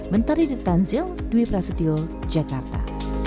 mentari ditanzil dwi prasetyo jakarta